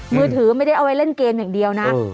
มือถือไม่ได้เอาไว้เล่นเกมอย่างเดียวนะ